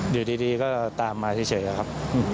อยู่ดีก็ตามมาเฉยครับ